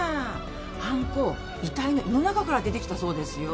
はんこ遺体の胃の中から出てきたそうですよ。